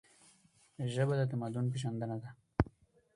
ژبه د تمدن پیژندنه ده.